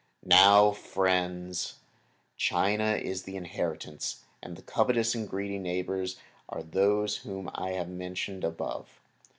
And now, friends, China is the inheritance, and the covetous and greedy neighbors are those whom I have mentioned above.